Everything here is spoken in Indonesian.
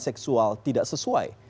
seksual tidak sesuai